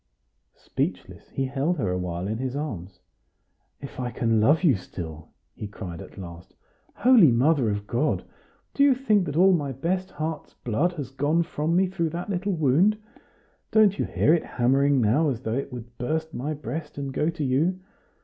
Speechless, he held her a while in his arms. "If I can love you still!" he cried at last. "Holy Mother of God! Do you think that all my best heart's blood has gone from me through that little wound? Don't you hear it hammering now, as though it would burst my breast and go to you?